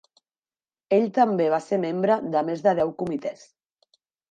Ell també va ser membre de més de deu comitès.